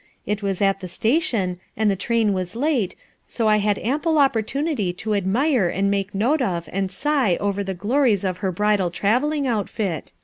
It was at the station and the train was late, fo I had ample opportunity to admire ami make note of and figh over the glories of her bridal travelling outfit.